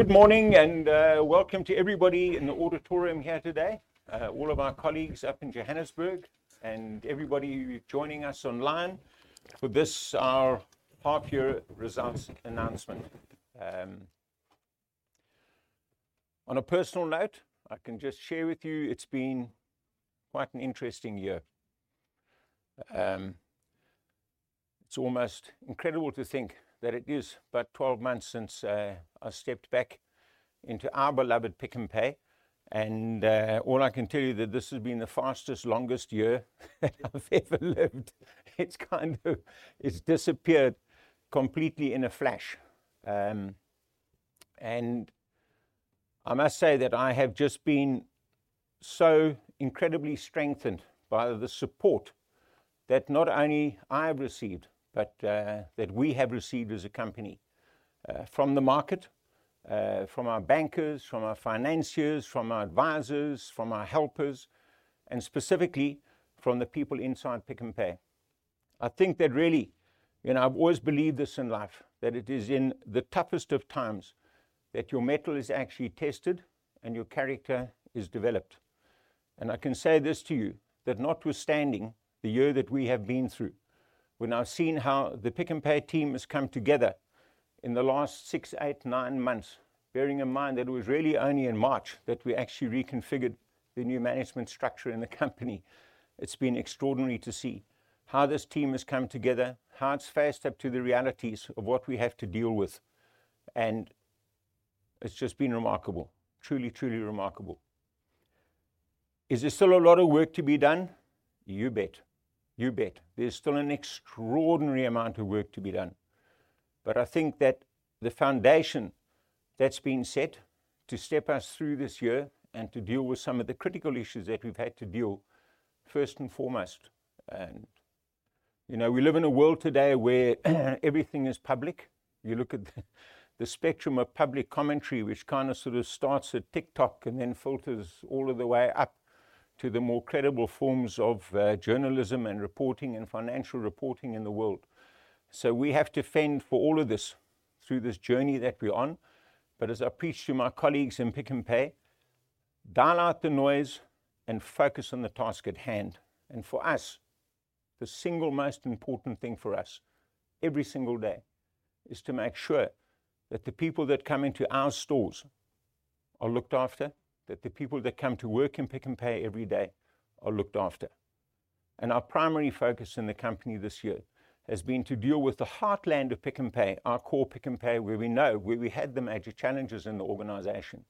Good morning, and welcome to everybody in the auditorium here today, all of our colleagues up in Johannesburg, and everybody who is joining us online for this, our half year results announcement. On a personal note, I can just share with you, it's been quite an interesting year. It's almost incredible to think that it is about 12 months since I stepped back into our beloved Pick n Pay, and all I can tell you that this has been the fastest, longest year that I've ever lived. It's disappeared completely in a flash. And I must say that I have just been so incredibly strengthened by the support that not only I have received, but that we have received as a company, from the market, from our bankers, from our financiers, from our advisors, from our helpers, and specifically from the people inside Pick n Pay. I think that really, and I've always believed this in life, that it is in the toughest of times that your mettle is actually tested and your character is developed. And I can say this to you, that notwithstanding the year that we have been through, we're now seeing how the Pick n Pay team has come together in the last six, eight, nine months, bearing in mind that it was really only in March that we actually reconfigured the new management structure in the company. It's been extraordinary to see how this team has come together, how it's faced up to the realities of what we have to deal with, and it's just been remarkable. Truly, truly remarkable. Is there still a lot of work to be done? You bet. You bet. There's still an extraordinary amount of work to be done, but I think that the foundation that's been set to step us through this year and to deal with some of the critical issues that we've had to deal, first and foremost, and... You know, we live in a world today where everything is public. You look at the spectrum of public commentary, which kind of sort of starts at TikTok and then filters all of the way up to the more credible forms of journalism, and reporting, and financial reporting in the world. So we have to fend for all of this through this journey that we're on. But as I preach to my colleagues in Pick n Pay, dial out the noise and focus on the task at hand. And for us, the single most important thing for us, every single day, is to make sure that the people that come into our stores are looked after, that the people that come to work in Pick n Pay every day are looked after. And our primary focus in the company this year has been to deal with the heartland of Pick n Pay, our core Pick n Pay, where we know, where we had the major challenges in the organization.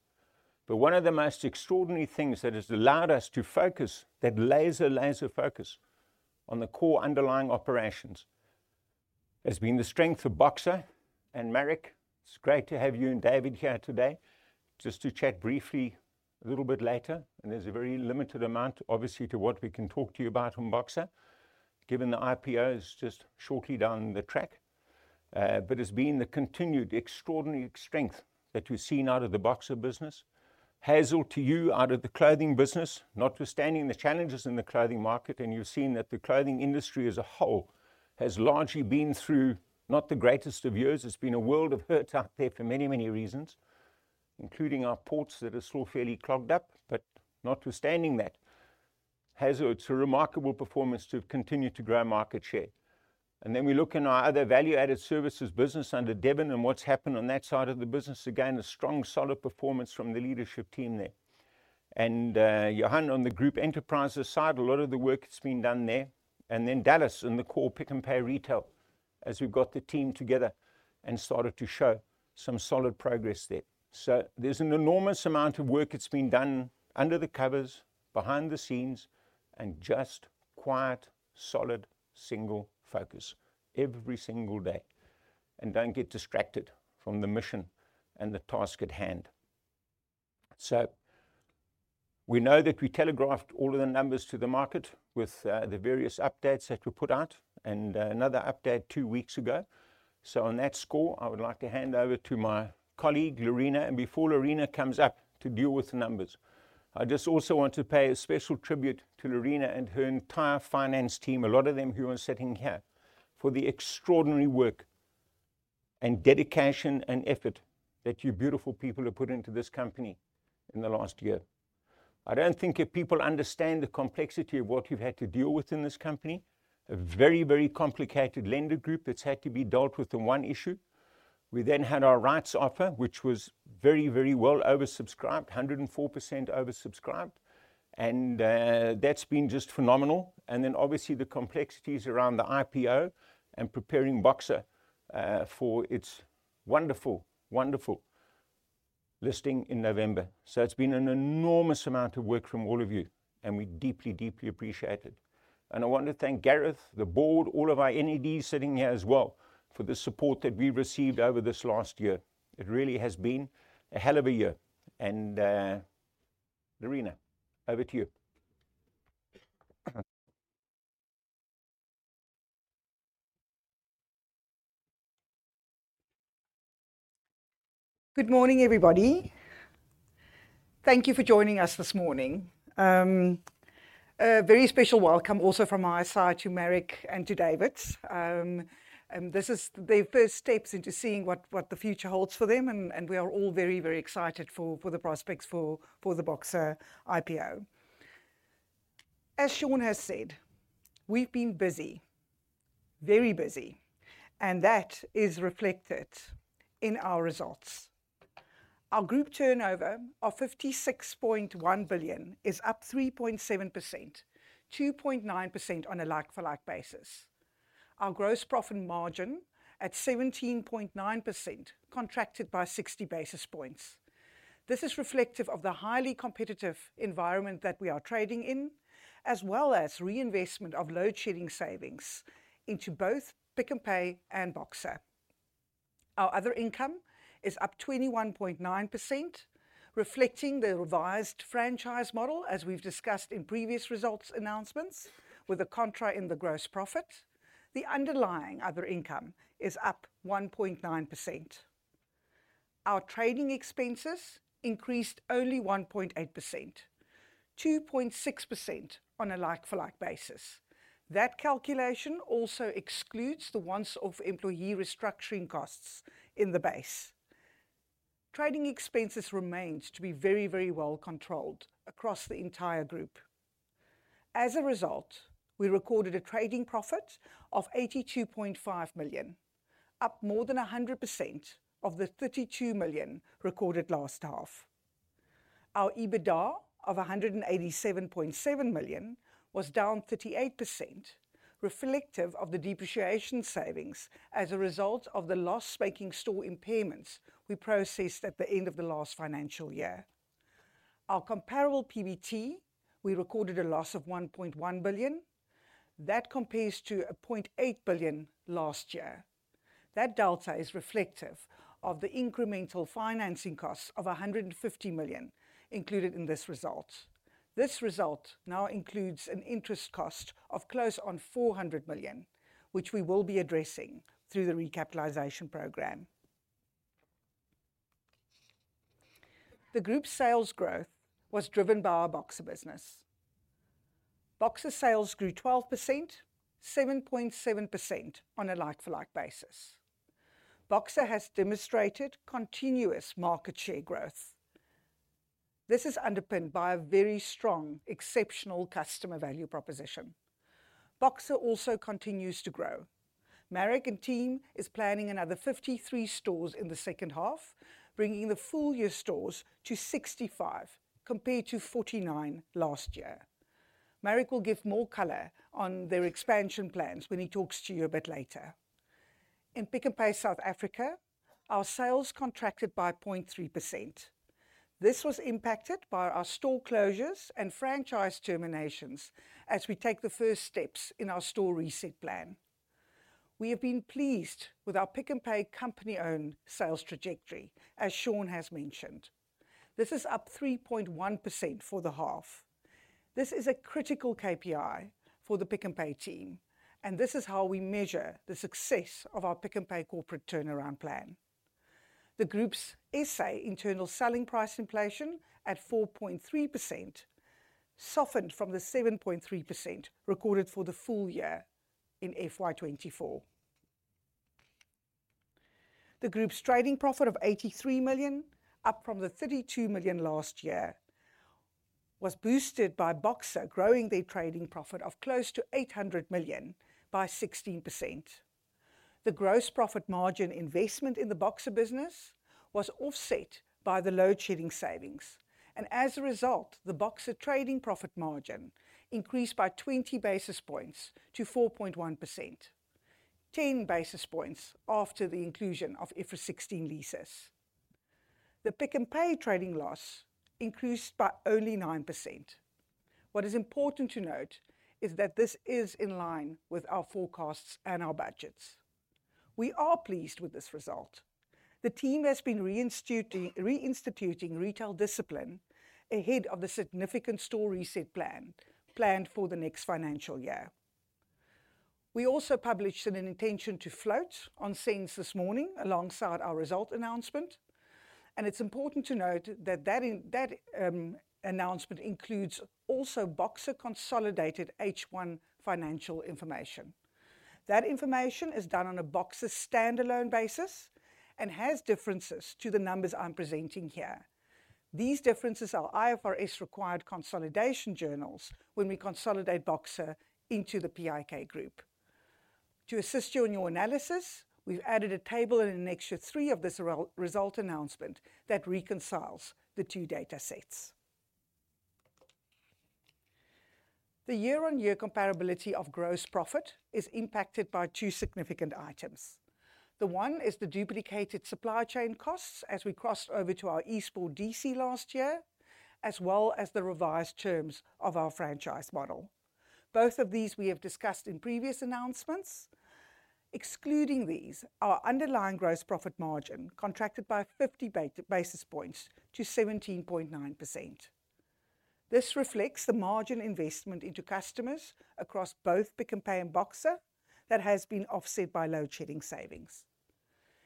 But one of the most extraordinary things that has allowed us to focus, that laser, laser focus on the core underlying operations, has been the strength of Boxer and Marek. It's great to have you and David here today, just to chat briefly a little bit later, and there's a very limited amount, obviously, to what we can talk to you about on Boxer, given the IPO is just shortly down the track. But it's been the continued extraordinary strength that we've seen out of the Boxer business. Hazel, to you, out of the clothing business, notwithstanding the challenges in the clothing market, and you've seen that the clothing industry as a whole has largely been through not the greatest of years. It's been a world of hurt out there for many, many reasons, including our ports that are still fairly clogged up, but notwithstanding that, Hazel, it's a remarkable performance to have continued to grow market share. And then we look in our other value-added services business under Deven, and what's happened on that side of the business. Again, a strong, solid performance from the leadership team there. And, Johan, on the group enterprises side, a lot of the work that's been done there. And then Dallas, in the core Pick n Pay retail, as we've got the team together and started to show some solid progress there. So there's an enormous amount of work that's been done under the covers, behind the scenes, and just quiet, solid, single focus every single day, and don't get distracted from the mission and the task at hand. So we know that we telegraphed all of the numbers to the market with, the various updates that we put out, and, another update two weeks ago. So on that score, I would like to hand over to my colleague, Lerena. Before Lerena comes up to deal with the numbers, I just also want to pay a special tribute to Lerena and her entire finance team, a lot of them who are sitting here, for the extraordinary work, and dedication, and effort that you beautiful people have put into this company in the last year. I don't think that people understand the complexity of what you've had to deal with in this company. A very, very complicated lender group that's had to be dealt with in one issue. We then had our rights offer, which was very, very well oversubscribed, 104% oversubscribed, and that's been just phenomenal, and then obviously the complexities around the IPO and preparing Boxer for its wonderful, wonderful listing in November, so it's been an enormous amount of work from all of you, and we deeply, deeply appreciate it. And I want to thank Gareth, the board, all of our NEDs sitting here as well, for the support that we've received over this last year. It really has been a hell of a year. And, Lerena, over to you. Good morning, everybody. Thank you for joining us this morning. A very special welcome also from my side to Marek and to David. And this is their first steps into seeing what the future holds for them, and we are all very excited for the prospects for the Boxer IPO. As Sean has said, we've been busy, very busy, and that is reflected in our results. Our group turnover of 56.1 billion is up 3.7%, 2.9% on a like-for-like basis. Our gross profit margin at 17.9% contracted by 60 basis points. This is reflective of the highly competitive environment that we are trading in, as well as reinvestment of load shedding savings into both Pick n Pay and Boxer. Our other income is up 21.9%, reflecting the revised franchise model, as we've discussed in previous results announcements, with a contra in the gross profit. The underlying other income is up 1.9%. Our trading expenses increased only 1.8%, 2.6% on a like-for-like basis. That calculation also excludes the once-off employee restructuring costs in the base. Trading expenses remains to be very, very well controlled across the entire group. As a result, we recorded a trading profit of R82.5 million, up more than 100% of the R32 million recorded last half. Our EBITDA of R187.7 million was down 38%, reflective of the depreciation savings as a result of the loss-making store impairments we processed at the end of the last financial year. Our comparable PBT, we recorded a loss of 1.1 billion. That compares to 0.8 billion last year. That delta is reflective of the incremental financing costs of 150 million included in this result. This result now includes an interest cost of close on 400 million, which we will be addressing through the recapitalization program. The group's sales growth was driven by our Boxer business. Boxer sales grew 12%, 7.7% on a like-for-like basis. Boxer has demonstrated continuous market share growth. This is underpinned by a very strong, exceptional customer value proposition. Boxer also continues to grow. Marek and team is planning another 53 stores in the second half, bringing the full-year stores to 65, compared to 49 last year. Marek will give more color on their expansion plans when he talks to you a bit later. In Pick n Pay South Africa, our sales contracted by 0.3%. This was impacted by our store closures and franchise terminations as we take the first steps in our store reset plan. We have been pleased with our Pick n Pay company-owned sales trajectory, as Sean has mentioned. This is up 3.1% for the half. This is a critical KPI for the Pick n Pay team, and this is how we measure the success of our Pick n Pay corporate turnaround plan. The group's SA internal selling price inflation at 4.3% softened from the 7.3% recorded for the full year in FY 2024. The group's trading profit of 83 million, up from the 32 million last year, was boosted by Boxer growing their trading profit of close to 800 million by 16%. The gross profit margin investment in the Boxer business was offset by the load shedding savings, and as a result, the Boxer trading profit margin increased by 20 basis points to 4.1%, 10 basis points after the inclusion of IFRS 16 leases. The Pick n Pay trading loss increased by only 9%. What is important to note is that this is in line with our forecasts and our budgets. We are pleased with this result. The team has been reinstituting retail discipline ahead of the significant store reset plan planned for the next financial year. We also published an intention to float on SENS this morning alongside our result announcement, and it's important to note that that announcement includes also Boxer consolidated H1 financial information. That information is done on a Boxer standalone basis and has differences to the numbers I'm presenting here. These differences are IFRS-required consolidation journals when we consolidate Boxer into the Pick Group. To assist you in your analysis, we've added a table in Appendix III of this result announcement that reconciles the two datasets. The year-on-year comparability of gross profit is impacted by two significant items. The one is the duplicated supply chain costs as we crossed over to our Eastport DC last year, as well as the revised terms of our franchise model. Both of these we have discussed in previous announcements. Excluding these, our underlying gross profit margin contracted by fifty basis points to 17.9%. This reflects the margin investment into customers across both Pick n Pay and Boxer that has been offset by load-shedding savings.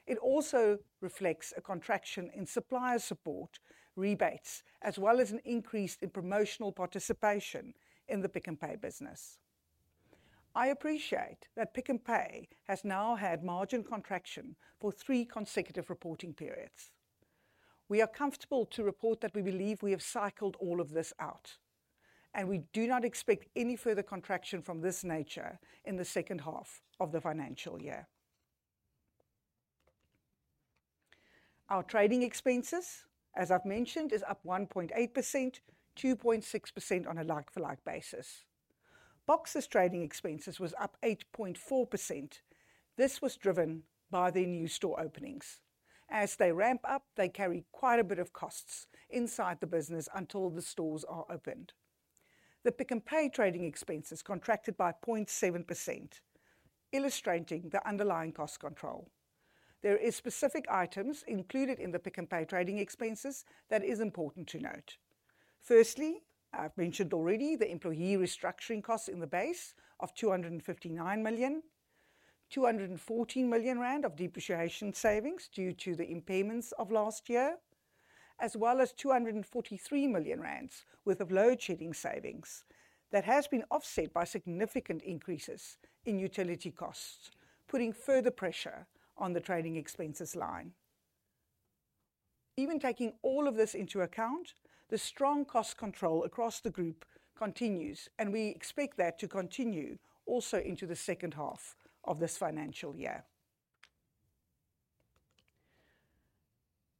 It also reflects a contraction in supplier support rebates, as well as an increase in promotional participation in the Pick n Pay business. I appreciate that Pick n Pay has now had margin contraction for three consecutive reporting periods. We are comfortable to report that we believe we have cycled all of this out, and we do not expect any further contraction from this nature in the second half of the financial year. Our trading expenses, as I've mentioned, is up 1.8%, 2.6% on a like-for-like basis. Boxer's trading expenses was up 8.4%. This was driven by the new store openings. As they ramp up, they carry quite a bit of costs inside the business until the stores are opened. The Pick n Pay trading expenses contracted by 0.7%, illustrating the underlying cost control. There is specific items included in the Pick n Pay trading expenses that is important to note. Firstly, I've mentioned already the employee restructuring costs in the base of 259 million, 214 million rand of depreciation savings due to the impairments of last year, as well as 243 million rand worth of load shedding savings that has been offset by significant increases in utility costs, putting further pressure on the trading expenses line. Even taking all of this into account, the strong cost control across the group continues, and we expect that to continue also into the second half of this financial year.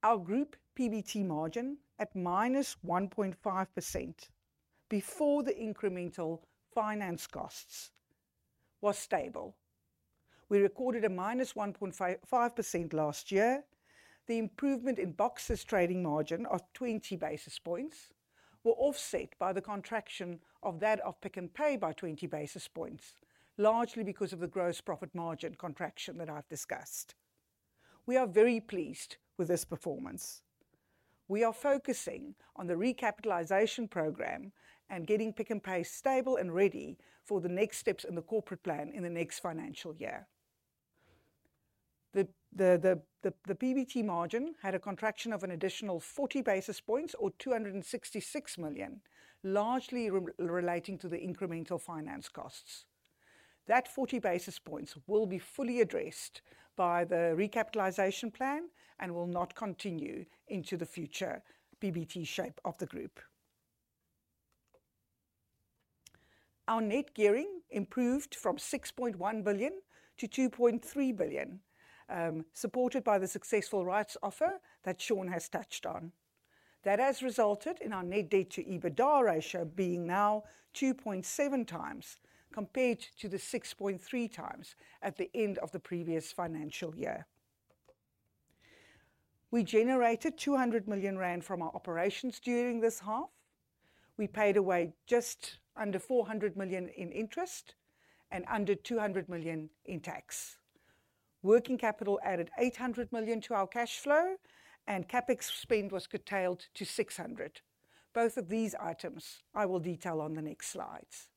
Our group PBT margin at minus 1.5%, before the incremental finance costs, was stable. We recorded a minus 1.5% last year. The improvement in Boxer's trading margin of 20 basis points was offset by the contraction of that of Pick n Pay by 20 basis points, largely because of the gross profit margin contraction that I've discussed. We are very pleased with this performance. We are focusing on the recapitalization program and getting Pick n Pay stable and ready for the next steps in the corporate plan in the next financial year. The PBT margin had a contraction of an additional 40 basis points or 266 million, largely relating to the incremental finance costs. That 40 basis points will be fully addressed by the recapitalization plan and will not continue into the future PBT shape of the group. Our net gearing improved from 6.1 billion to 2.3 billion, supported by the successful rights offer that Sean has touched on. That has resulted in our net debt to EBITDA ratio being now 2.7 times, compared to the 6.3 times at the end of the previous financial year. We generated R200 million from our operations during this half. We paid away just under R400 million in interest and under R200 million in tax. Working capital added R800 million to our cash flow, and CapEx spend was curtailed to R600 million. Both of these items I will detail on the next slides.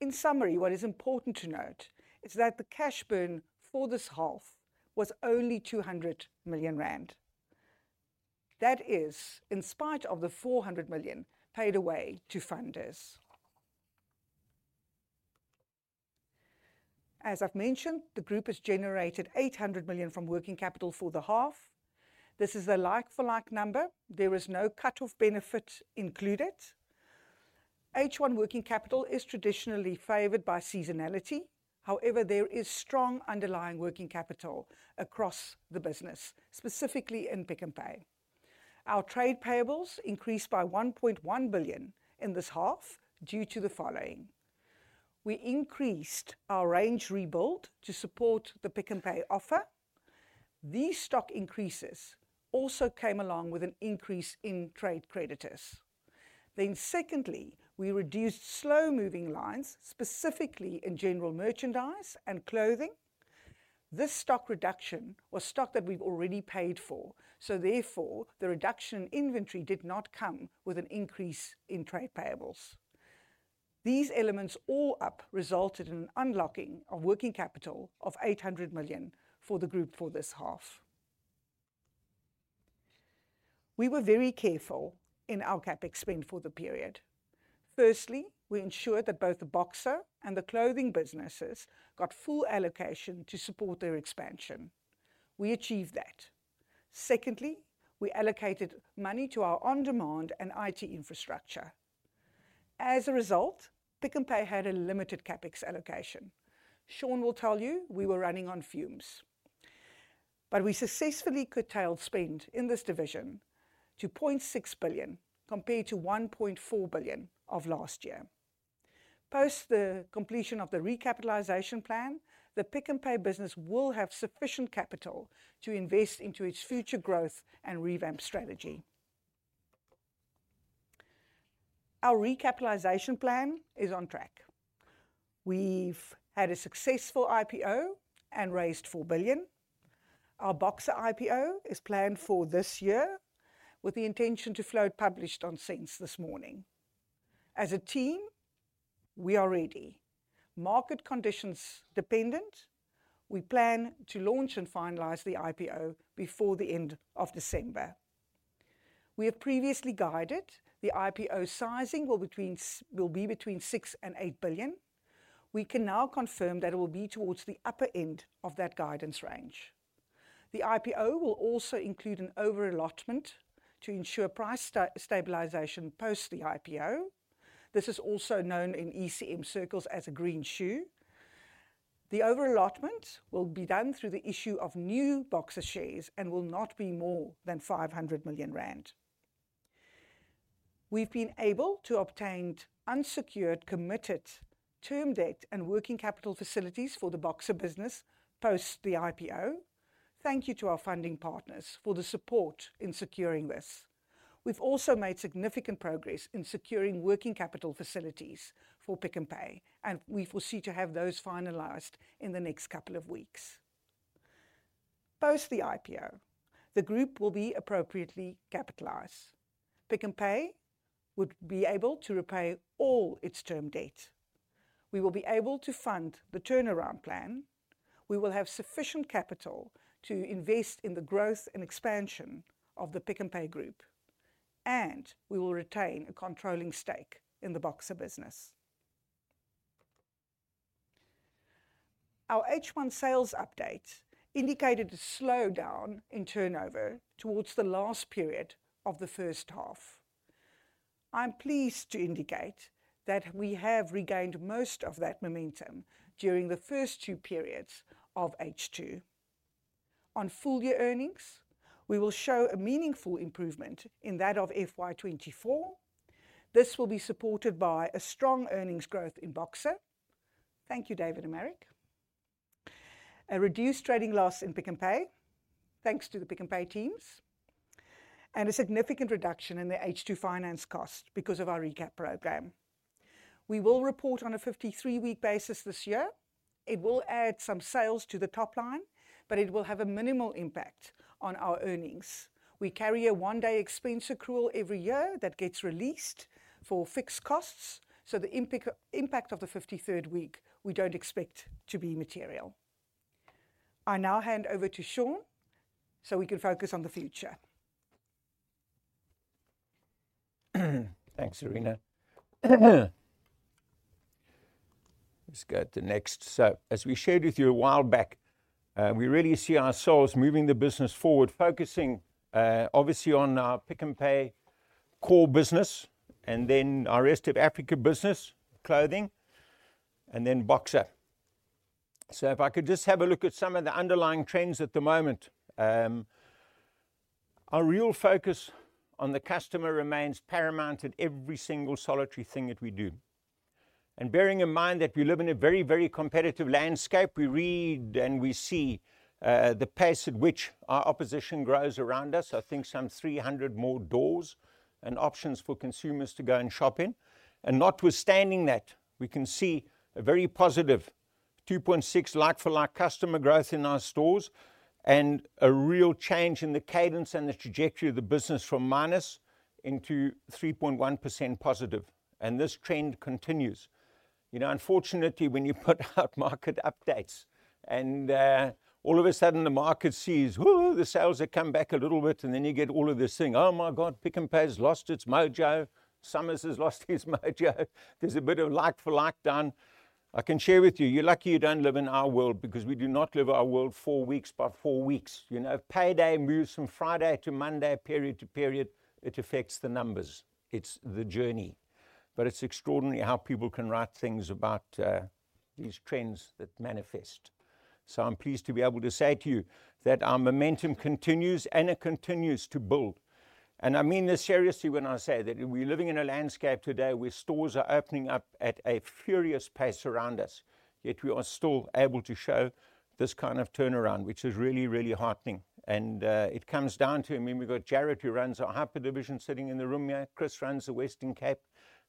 In summary, what is important to note is that the cash burn for this half was only R200 million. That is in spite of the R400 million paid away to funders. As I've mentioned, the group has generated R800 million from working capital for the half. This is a like-for-like number. There is no cut-off benefit included. H1 working capital is traditionally favored by seasonality. However, there is strong underlying working capital across the business, specifically in Pick n Pay. Our trade payables increased by 1.1 billion in this half due to the following: We increased our range rebuild to support the Pick n Pay offer. These stock increases also came along with an increase in trade creditors. Then secondly, we reduced slow-moving lines, specifically in general merchandise and clothing. This stock reduction was stock that we've already paid for, so therefore, the reduction in inventory did not come with an increase in trade payables. These elements all up resulted in an unlocking of working capital of 800 million for the group for this half. We were very careful in our CapEx spend for the period. Firstly, we ensured that both the Boxer and the clothing businesses got full allocation to support their expansion. We achieved that. Secondly, we allocated money to our on-demand and IT infrastructure. As a result, Pick n Pay had a limited CapEx allocation. Sean will tell you we were running on fumes, but we successfully curtailed spend in this division to 0.6 billion, compared to 1.4 billion of last year. Post the completion of the recapitalization plan, the Pick n Pay business will have sufficient capital to invest into its future growth and revamp strategy. Our recapitalization plan is on track.... We've had a successful IPO and raised $4 billion. Our Boxer IPO is planned for this year, with the intention to float published on SENS this morning. As a team, we are ready. Market conditions dependent, we plan to launch and finalize the IPO before the end of December. We have previously guided the IPO sizing will be between $6 and $8 billion. We can now confirm that it will be towards the upper end of that guidance range. The IPO will also include an over-allotment to ensure price stabilization post the IPO. This is also known in ECM circles as a greenshoe. The over-allotment will be done through the issue of new Boxer shares and will not be more than R500 million. We've been able to obtain unsecured, committed term debt and working capital facilities for the Boxer business post the IPO. Thank you to our funding partners for the support in securing this. We've also made significant progress in securing working capital facilities for Pick n Pay, and we foresee to have those finalized in the next couple of weeks. Post the IPO, the group will be appropriately capitalized. Pick n Pay would be able to repay all its term debt. We will be able to fund the turnaround plan. We will have sufficient capital to invest in the growth and expansion of the Pick n Pay group, and we will retain a controlling stake in the Boxer business. Our H1 sales update indicated a slowdown in turnover towards the last period of the first half. I'm pleased to indicate that we have regained most of that momentum during the first two periods of H2. On full-year earnings, we will show a meaningful improvement in that of FY24. This will be supported by a strong earnings growth in Boxer. Thank you, David and Marek. A reduced trading loss in Pick n Pay, thanks to the Pick n Pay teams, and a significant reduction in the H2 finance cost because of our recap program. We will report on a fifty-three-week basis this year. It will add some sales to the top line, but it will have a minimal impact on our earnings. We carry a one-day expense accrual every year that gets released for fixed costs, so the impact of the fifty-third week we don't expect to be material. I now hand over to Sean so we can focus on the future. Thanks, Lerena. Let's go to the next. So as we shared with you a while back, we really see ourselves moving the business forward, focusing, obviously on our Pick n Pay core business, and then our Rest of Africa business, clothing, and then Boxer. So if I could just have a look at some of the underlying trends at the moment. Our real focus on the customer remains paramount in every single solitary thing that we do. Bearing in mind that we live in a very, very competitive landscape, we read and we see the pace at which our opposition grows around us. I think some 300 more doors and options for consumers to go and shop in. And notwithstanding that, we can see a very positive 2.6 like-for-like customer growth in our stores, and a real change in the cadence and the trajectory of the business from minus into 3.1% positive, and this trend continues. You know, unfortunately, when you put out market updates and, all of a sudden the market sees, "Ooh!" the sales have come back a little bit, and then you get all of this thing: "Oh, my God, Pick n Pay has lost its mojo. Summers has lost his mojo. There's a bit of like-for-like down." I can share with you, you're lucky you don't live in our world, because we do not live our world four weeks by four weeks. You know, payday moves from Friday to Monday, period to period, it affects the numbers. It's the journey. But it's extraordinary how people can write things about these trends that manifest. So I'm pleased to be able to say to you that our momentum continues, and it continues to build. And I mean this seriously when I say that we're living in a landscape today where stores are opening up at a furious pace around us, yet we are still able to show this kind of turnaround, which is really, really heartening. And it comes down to... I mean, we've got Jared, who runs our hyper division, sitting in the room here. Chris runs the Western Cape,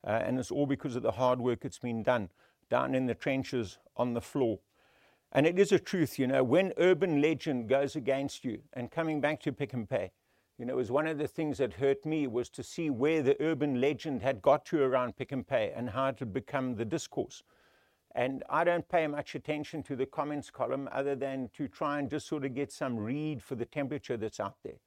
and it's all because of the hard work that's been done down in the trenches on the floor. And it is a truth, you know, when urban legend goes against you, and coming back to Pick n Pay, you know, it was one of the things that hurt me was to see where the urban legend had got to around Pick n Pay and how it had become the discourse. And I don't pay much attention to the comments column other than to try and just sort of get some read for the temperature that's out there.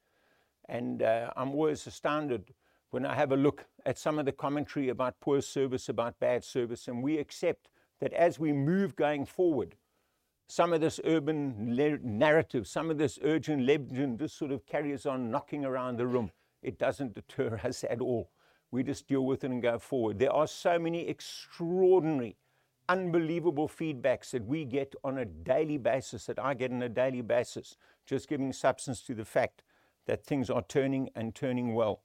And, I'm always astounded when I have a look at some of the commentary about poor service, about bad service, and we accept that as we move going forward, some of this urban legend narrative, some of this urban legend, just sort of carries on knocking around the room. It doesn't deter us at all. We just deal with it and go forward. There are so many extraordinary, unbelievable feedbacks that we get on a daily basis, that I get on a daily basis, just giving substance to the fact that things are turning and turning well.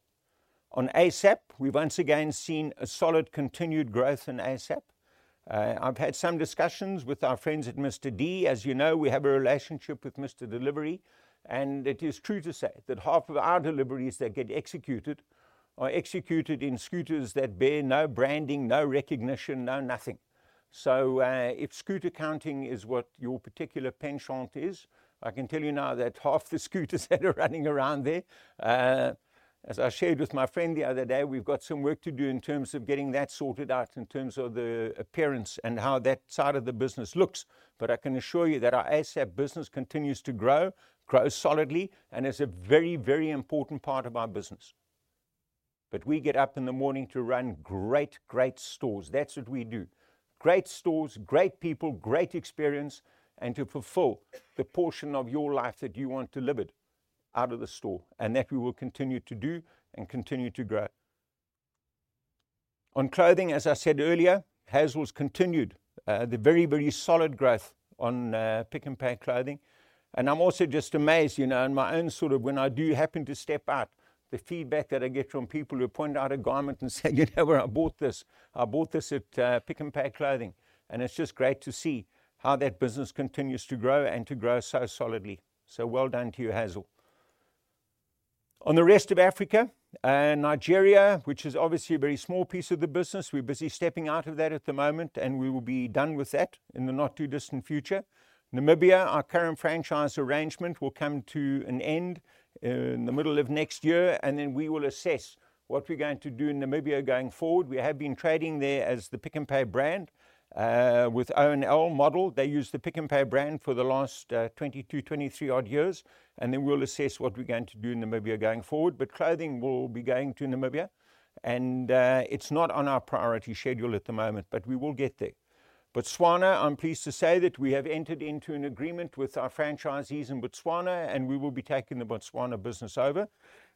On ASAP, we've once again seen a solid continued growth in ASAP. I've had some discussions with our friends at Mr D. As you know, we have a relationship with Mr D, and it is true to say that half of our deliveries that get executed are executed in scooters that bear no branding, no recognition, no nothing. If scooter counting is what your particular penchant is, I can tell you now that half the scooters that are running around there, as I shared with my friend the other day, we've got some work to do in terms of getting that sorted out, in terms of the appearance and how that side of the business looks. But I can assure you that our ASAP business continues to grow, grow solidly, and is a very, very important part of our business. But we get up in the morning to run great, great stores. That's what we do, great stores, great people, great experience, and to fulfill the portion of your life that you want to live it out of the store, and that we will continue to do and continue to grow. On clothing, as I said earlier, Hazel's continued the very, very solid growth on Pick n Pay Clothing. And I'm also just amazed, you know, in my own sort of when I do happen to step out, the feedback that I get from people who point out a garment and say, "You know where I bought this? I bought this at Pick n Pay Clothing." And it's just great to see how that business continues to grow and to grow so solidly. So well done to you, Hazel. On the rest of Africa, Nigeria, which is obviously a very small piece of the business, we're busy stepping out of that at the moment, and we will be done with that in the not-too-distant future. Namibia, our current franchise arrangement will come to an end in the middle of next year, and then we will assess what we're going to do in Namibia going forward. We have been trading there as the Pick n Pay brand with own model. They used the Pick n Pay brand for the last 22, 23 odd years, and then we'll assess what we're going to do in Namibia going forward. But clothing will be going to Namibia, and it's not on our priority schedule at the moment, but we will get there. Botswana, I'm pleased to say that we have entered into an agreement with our franchisees in Botswana, and we will be taking the Botswana business over,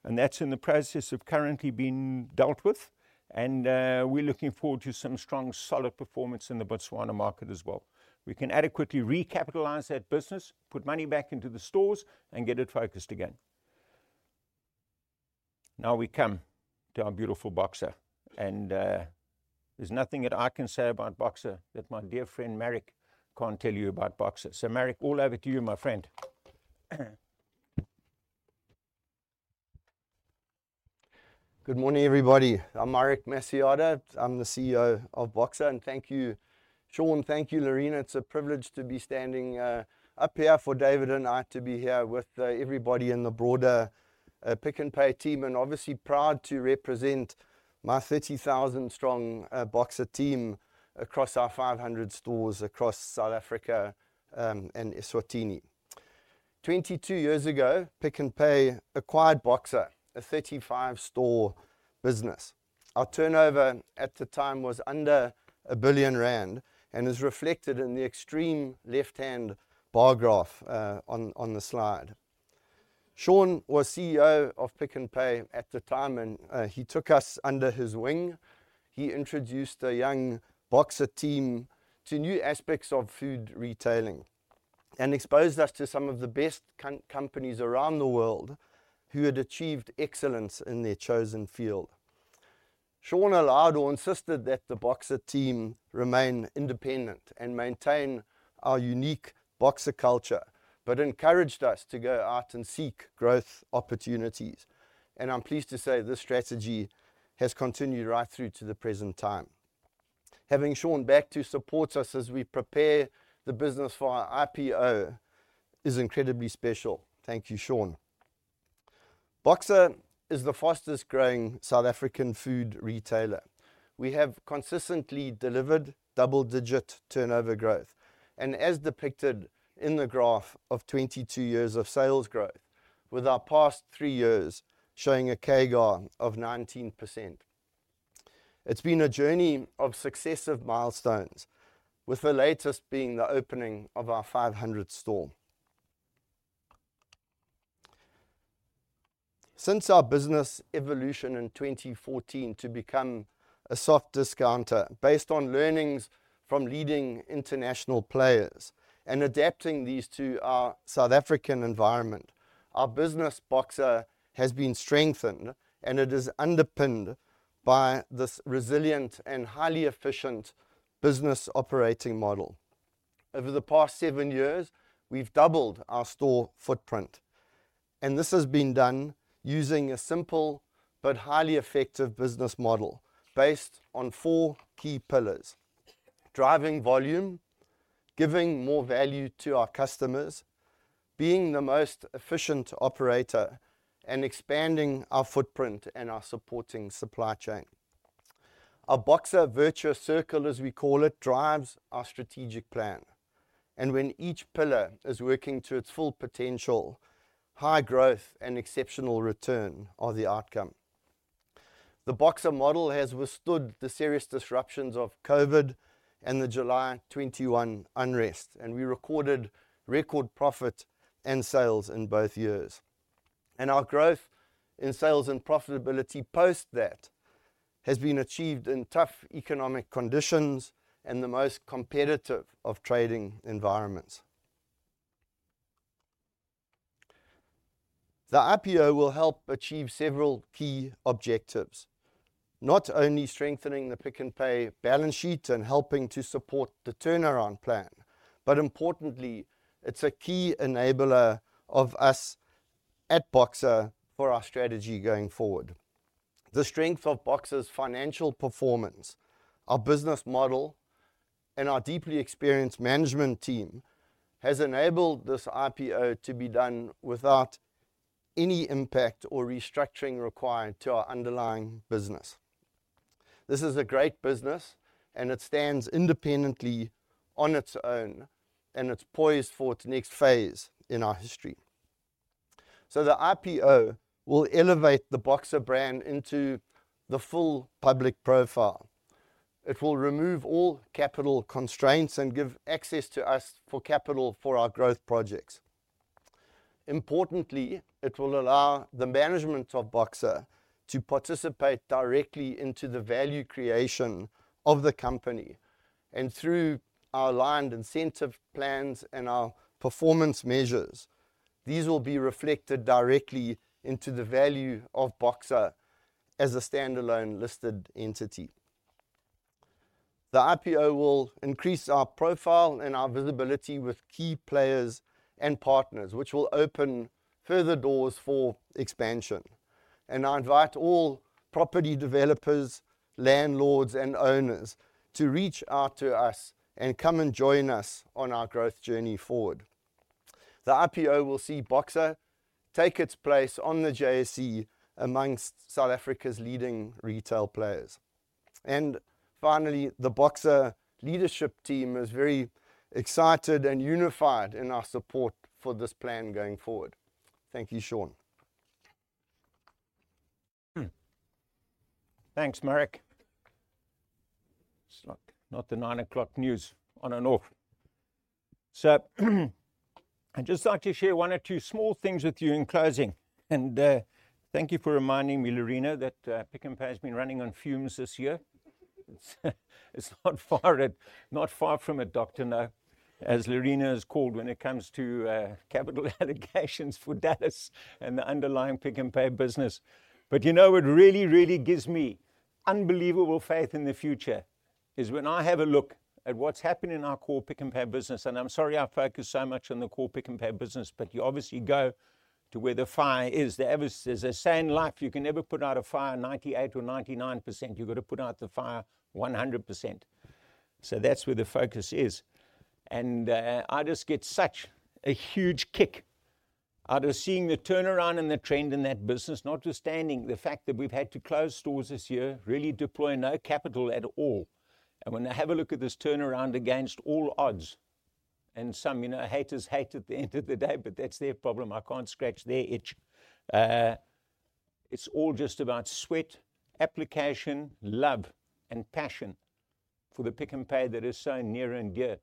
and that's in the process of currently being dealt with, and we're looking forward to some strong, solid performance in the Botswana market as well. We can adequately recapitalize that business, put money back into the stores, and get it focused again. Now we come to our beautiful Boxer, and, there's nothing that I can say about Boxer that my dear friend Marek can't tell you about Boxer. So, Marek, all over to you, my friend. Good morning, everybody. I'm Marek Masojada. I'm the CEO of Boxer, and thank you, Sean. Thank you, Lerena. It's a privilege to be standing up here, for David and I to be here with everybody in the broader Pick n Pay team, and obviously proud to represent my 30,000-strong Boxer team across our 500 stores across South Africa and Eswatini. Twenty-two years ago, Pick n Pay acquired Boxer, a 35-store business. Our turnover at the time was under R1 billion and is reflected in the extreme left-hand bar graph on the slide. Sean was CEO of Pick n Pay at the time, and he took us under his wing. He introduced the young Boxer team to new aspects of food retailing and exposed us to some of the best companies around the world who had achieved excellence in their chosen field. Sean allowed or insisted that the Boxer team remain independent and maintain our unique Boxer culture, but encouraged us to go out and seek growth opportunities, and I'm pleased to say this strategy has continued right through to the present time. Having Sean back to support us as we prepare the business for our IPO is incredibly special. Thank you, Sean. Boxer is the fastest-growing South African food retailer. We have consistently delivered double-digit turnover growth, and as depicted in the graph of 22 years of sales growth, with our past three years showing a CAGR of 19%. It's been a journey of successive milestones, with the latest being the opening of our 500th store. Since our business evolution in 2014 to become a soft discounter, based on learnings from leading international players and adapting these to our South African environment, our business, Boxer, has been strengthened, and it is underpinned by this resilient and highly efficient business operating model. Over the past seven years, we've doubled our store footprint, and this has been done using a simple but highly effective business model based on four key pillars: driving volume, giving more value to our customers, being the most efficient operator, and expanding our footprint and our supporting supply chain. Our Boxer virtuous circle, as we call it, drives our strategic plan, and when each pillar is working to its full potential, high growth and exceptional return are the outcome. The Boxer model has withstood the serious disruptions of COVID and the July 2021 unrest, and we recorded record profit and sales in both years. Our growth in sales and profitability post that has been achieved in tough economic conditions and the most competitive of trading environments. The IPO will help achieve several key objectives, not only strengthening the Pick n Pay balance sheet and helping to support the turnaround plan, but importantly, it's a key enabler of us at Boxer for our strategy going forward. The strength of Boxer's financial performance, our business model, and our deeply experienced management team has enabled this IPO to be done without any impact or restructuring required to our underlying business. This is a great business, and it stands independently on its own, and it's poised for its next phase in our history. The IPO will elevate the Boxer brand into the full public profile. It will remove all capital constraints and give access to us for capital for our growth projects. Importantly, it will allow the management of Boxer to participate directly into the value creation of the company, and through our aligned incentive plans and our performance measures, these will be reflected directly into the value of Boxer as a standalone listed entity. The IPO will increase our profile and our visibility with key players and partners, which will open further doors for expansion. And I invite all property developers, landlords, and owners to reach out to us and come and join us on our growth journey forward. The IPO will see Boxer take its place on the JSE amongst South Africa's leading retail players. And finally, the Boxer leadership team is very excited and unified in our support for this plan going forward. Thank you, Sean. Thanks, Marek. It's like not the nine o'clock news, on and off. So, I'd just like to share one or two small things with you in closing, and thank you for reminding me, Lerena, that Pick n Pay has been running on fumes this year. It's not far from it, Dr. No, as Lerena is called when it comes to capital allocations for Dallas and the underlying Pick n Pay business. But you know what really, really gives me unbelievable faith in the future is when I have a look at what's happened in our core Pick n Pay business, and I'm sorry I focus so much on the core Pick n Pay business, but you obviously go to where the fire is. There ever... There's a saying, "In life, you can never put out a fire 98% or 99%; you've got to put out the fire 100%." So that's where the focus is. And, I just get such a huge kick out of seeing the turnaround and the trend in that business, notwithstanding the fact that we've had to close stores this year, really deploy no capital at all. And when I have a look at this turnaround against all odds, and some, you know, haters hate at the end of the day, but that's their problem. I can't scratch their itch. It's all just about sweat, application, love, and passion for the Pick n Pay that is so near and dear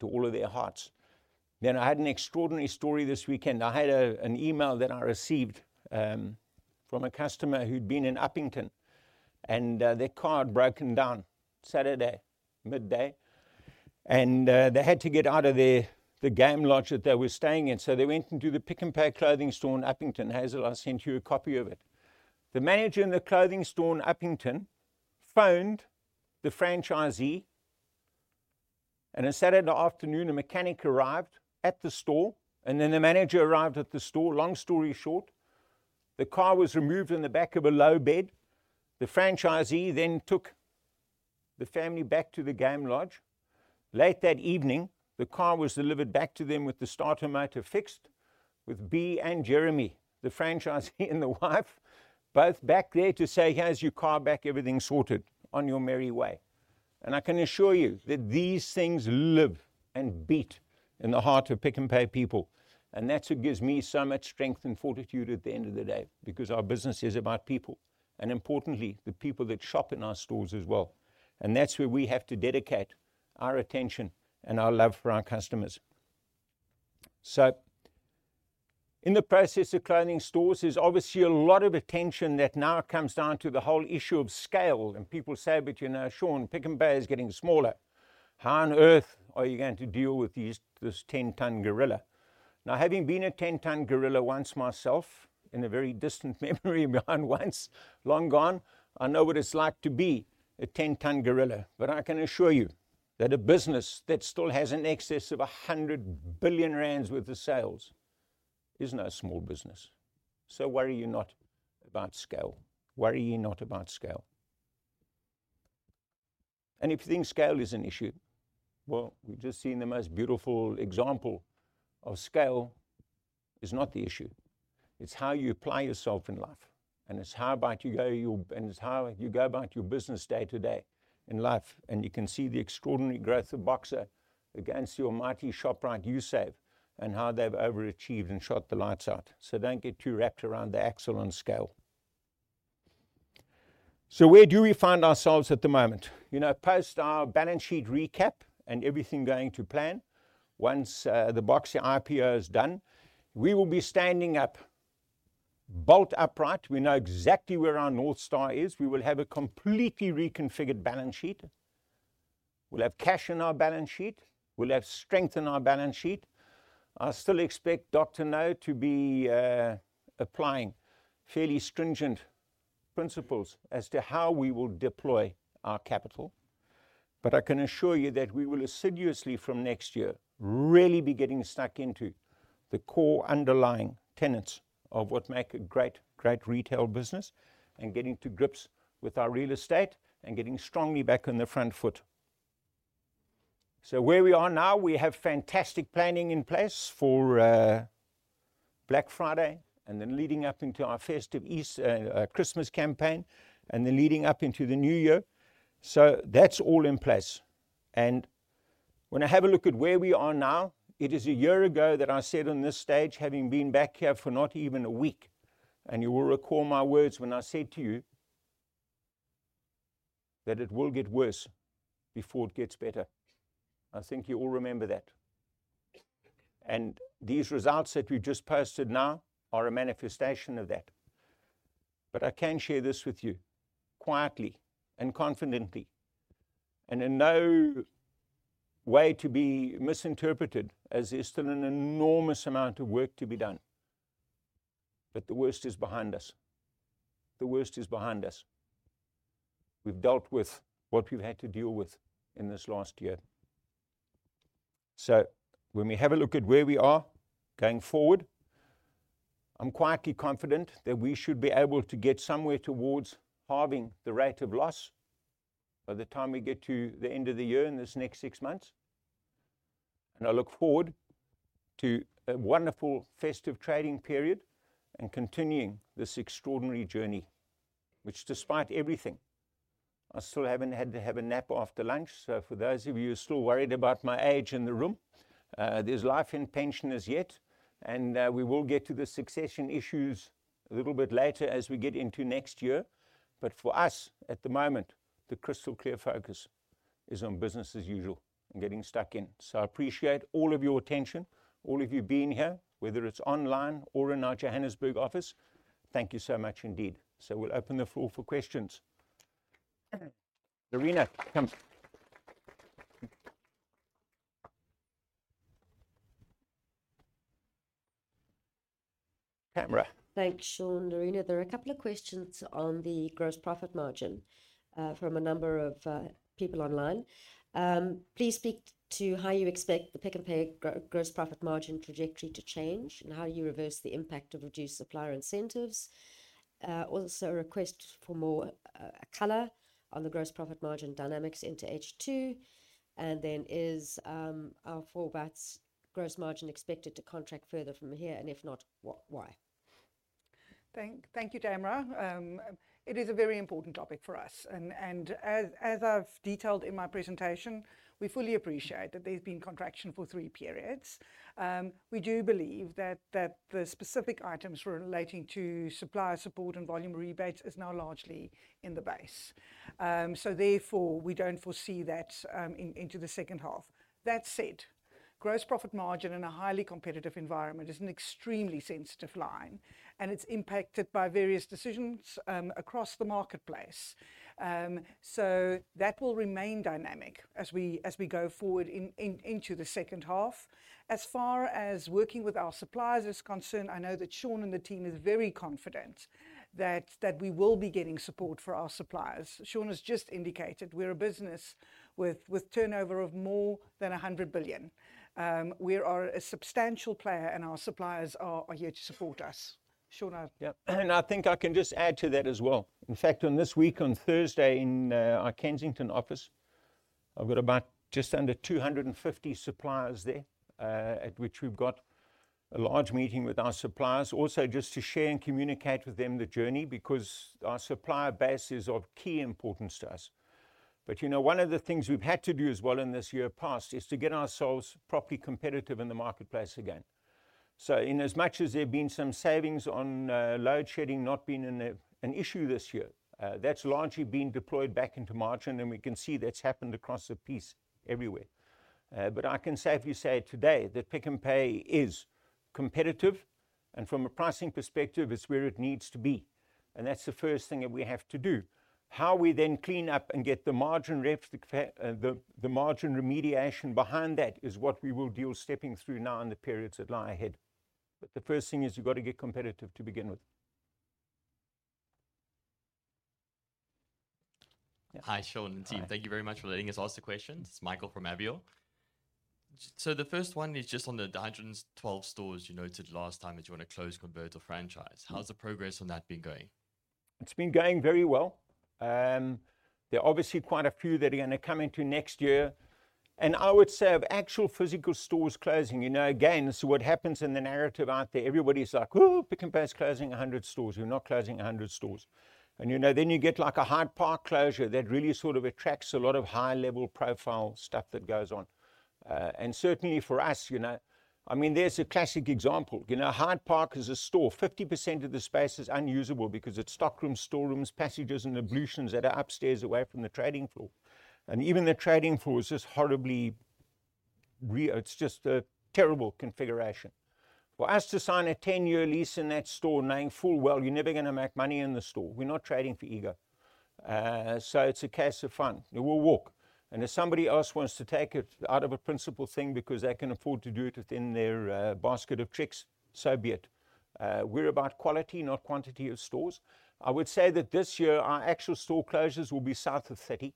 to all of their hearts. Then I had an extraordinary story this weekend. I had an email that I received from a customer who'd been in Upington, and their car had broken down Saturday midday, and they had to get out of the game lodge that they were staying in. They went into the Pick n Pay Clothing store in Upington. Hazel, I sent you a copy of it. The manager in the Clothing store in Upington phoned the franchisee, and on Saturday afternoon, a mechanic arrived at the store, and then the manager arrived at the store. Long story short, the car was removed in the back of a low bed. The franchisee then took the family back to the game lodge. Late that evening, the car was delivered back to them with the starter motor fixed, with Bea and Jeremy, the franchisee and the wife, both back there to say, "Here's your car back, everything's sorted. On your merry way." And I can assure you that these things live and beat in the heart of Pick n Pay people, and that's what gives me so much strength and fortitude at the end of the day, because our business is about people, and importantly, the people that shop in our stores as well. And that's where we have to dedicate our attention and our love for our customers. So in the process of clothing stores, there's obviously a lot of attention that now comes down to the whole issue of scale, and people say, "But, you know, Sean, Pick n Pay is getting smaller. How on earth are you going to deal with these, this 10-ton gorilla?" Now, having been a 10-ton gorilla once myself, in a very distant memory behind once, long gone, I know what it's like to be a 10-ton gorilla. But I can assure you that a business that still has in excess of 100 billion rand worth of sales is not a small business. So worry not about scale. Worry not about scale. And if you think scale is an issue, well, we've just seen the most beautiful example of scale is not the issue. It's how you apply yourself in life, and it's how about you go your-- and it's how you go about your business day to day in life. And you can see the extraordinary growth of Boxer against your mighty Shoprite Usave, and how they've overachieved and shut the lights out. So don't get too wrapped around the axle on scale. So where do we find ourselves at the moment? You know, post our balance sheet recap and everything going to plan, once the Boxer IPO is done, we will be standing up, bolt upright. We know exactly where our North Star is. We will have a completely reconfigured balance sheet. We'll have cash in our balance sheet. We'll have strength in our balance sheet. I still expect Dr. No to be applying fairly stringent principles as to how we will deploy our capital. But I can assure you that we will assiduously from next year really be getting stuck into the core underlying tenets of what make a great, great retail business, and getting to grips with our real estate, and getting strongly back on the front foot. So where we are now, we have fantastic planning in place for Black Friday, and then leading up into our festive season Christmas campaign, and then leading up into the new year. So that's all in place. And when I have a look at where we are now, it is a year ago that I said on this stage, having been back here for not even a week, and you will recall my words when I said to you, that it will get worse before it gets better. I think you all remember that. And these results that we've just posted now are a manifestation of that. But I can share this with you quietly, and confidently, and in no way to be misinterpreted, as there's still an enormous amount of work to be done, but the worst is behind us. The worst is behind us. We've dealt with what we've had to deal with in this last year. So when we have a look at where we are going forward, I'm quietly confident that we should be able to get somewhere towards halving the rate of loss by the time we get to the end of the year, in this next six months. And I look forward to a wonderful festive trading period and continuing this extraordinary journey, which, despite everything, I still haven't had to have a nap after lunch. So for those of you who are still worried about my age in the room, there's life in pensioners yet, and we will get to the succession issues a little bit later as we get into next year. But for us, at the moment, the crystal-clear focus is on business as usual and getting stuck in. So I appreciate all of your attention, all of you being here, whether it's online or in our Johannesburg office. Thank you so much indeed. So we'll open the floor for questions. Lerena, come. Tamra. Thanks, Sean. Lerena. There are a couple of questions on the gross profit margin from a number of people online. Please speak to how you expect the Pick n Pay gross profit margin trajectory to change and how you reverse the impact of reduced supplier incentives. Also a request for more color on the gross profit margin dynamics into H2, and then is our core formats gross margin expected to contract further from here, and if not, why? Thank you, Tamra. It is a very important topic for us, and as I've detailed in my presentation, we fully appreciate that there's been contraction for three periods. We do believe that the specific items relating to supplier support and volume rebates is now largely in the base. So therefore, we don't foresee that into the second half. That said, gross profit margin in a highly competitive environment is an extremely sensitive line, and it's impacted by various decisions across the marketplace. So that will remain dynamic as we go forward into the second half. As far as working with our suppliers is concerned, I know that Sean and the team is very confident that we will be getting support for our suppliers. Sean has just indicated we're a business with turnover of more than 100 billion. We are a substantial player, and our suppliers are here to support us. Sean? Yeah, and I think I can just add to that as well. In fact, on this week, on Thursday, in our Kensington office, I've got about just under two hundred and fifty suppliers there, at which we've got a large meeting with our suppliers. Also, just to share and communicate with them the journey, because our supplier base is of key importance to us. But, you know, one of the things we've had to do as well in this year past is to get ourselves properly competitive in the marketplace again. So in as much as there've been some savings on load shedding not being an issue this year, that's largely been deployed back into margin, and we can see that's happened across the piece everywhere. But I can safely say today that Pick n Pay is competitive, and from a pricing perspective, it's where it needs to be, and that's the first thing that we have to do. How we then clean up and get the margin remediation behind that is what we will deal stepping through now in the periods that lie ahead. But the first thing is, you've got to get competitive to begin with. Hi, Sean and the team. Hi. Thank you very much for letting us ask the questions. Michael from Avior. So the first one is just on the hundred and twelve stores you noted last time that you want to close, convert or franchise. How's the progress on that been going? It's been going very well. There are obviously quite a few that are gonna come into next year, and I would say of actual physical stores closing. You know, again, this is what happens in the narrative out there. Everybody's like: Ooh, Pick n Pay is closing 100 stores. We're not closing 100 stores. And, you know, then you get, like, a Hyde Park closure that really sort of attracts a lot of high-level profile stuff that goes on. And certainly for us, you know. I mean, there's a classic example. You know, Hyde Park is a store. 50% of the space is unusable because it's stock rooms, store rooms, passages and ablutions that are upstairs, away from the trading floor, and even the trading floor is just horribly. It's just a terrible configuration. For us to sign a ten-year lease in that store, knowing full well you're never gonna make money in the store, we're not trading for ego. So it's a case of if it won't work, and if somebody else wants to take it on out of principle because they can afford to do it within their bag of tricks, so be it. We're about quality, not quantity, of stores. I would say that this year, our actual store closures will be south of 30.